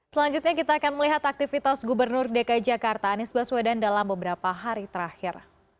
selanjutnya kita akan melihat aktivitas gubernur dki jakarta anies baswedan dalam beberapa hari terakhir